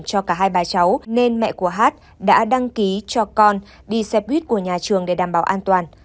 cho cả hai bà cháu nên mẹ của hát đã đăng ký cho con đi xe buýt của nhà trường để đảm bảo an toàn